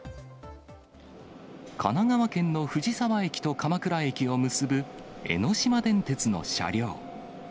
神奈川県の藤沢駅と鎌倉駅を結ぶ江ノ島電鉄の車両。